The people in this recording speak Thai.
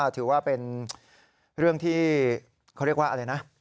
ถือว่าเป็นเรื่องที่เขาเรียกว่าอะไรนะ